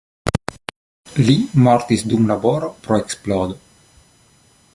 Li mortis dum laboro pro eksplodo.